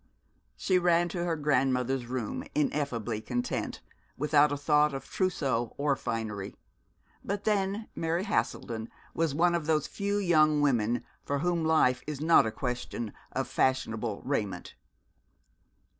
She ran to her grandmother's room, ineffably content, without a thought of trousseau or finery; but then Mary Haselden was one of those few young women for whom life is not a question of fashionable raiment.